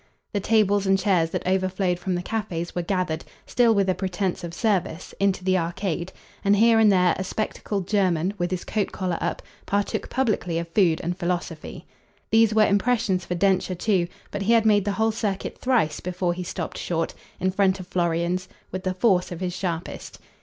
The tables and chairs that overflowed from the cafes were gathered, still with a pretence of service, into the arcade, and here and there a spectacled German, with his coat collar up, partook publicly of food and philosophy. These were impressions for Densher too, but he had made the whole circuit thrice before he stopped short, in front of Florian's, with the force of his sharpest.